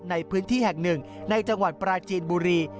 ในพื้นที่แห่งหนึ่งในจังหวัดปราจีนบุรี